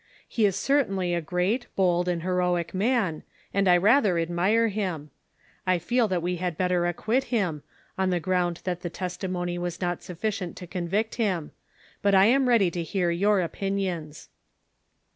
He is certainly a great, bold and lieroic man, and I rather admire him. I feel that we liad better acquit him, on the ground that the testi mony was not sutticient to convict him ; but I am ready to hear your ojiinions.